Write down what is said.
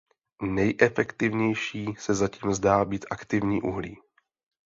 Nejefektivnější se zatím zdá být aktivní uhlí.